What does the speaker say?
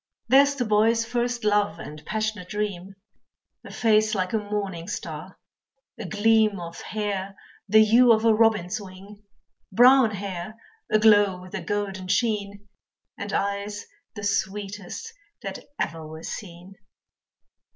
There's the boy's first love and passionate dream, A face like a morning star, a gleam Of hair the hue of a robin's wing Brown hair aglow with a golden sheen, And eyes the sweetest that ever were seen.